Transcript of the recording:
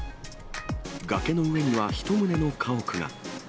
崖の上には１棟の家屋が。